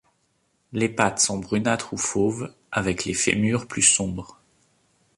Les pattes sont brunâtres ou fauves avec les fémurs plus sombres.